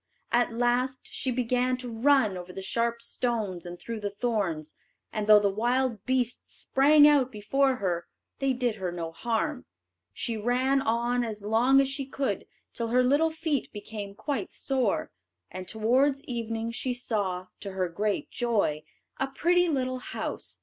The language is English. At last she began to run over the sharp stones and through the thorns, and though the wild beasts sprang out before her, they did her no harm. She ran on as long as she could till her little feet became quite sore; and towards evening she saw, to her great joy, a pretty little house.